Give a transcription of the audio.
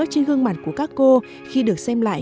trên gương mặt của các cô khi được xem lại